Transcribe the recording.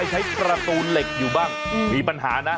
ใช้ประตูเหล็กอยู่บ้างมีปัญหานะ